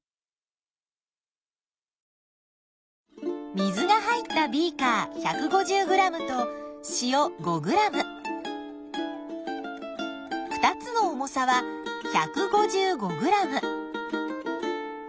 水が入ったビーカー１５０ｇと塩５ｇ２つの重さは１５５ｇ。